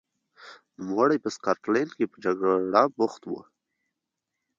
نوموړی په سکاټلند کې پر جګړه بوخت و.